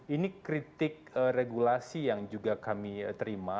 ini kritik regulasi yang juga kami terima